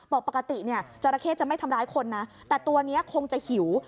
ปกติเนี่ยจราเข้จะไม่ทำร้ายคนนะแต่ตัวนี้คงจะหิว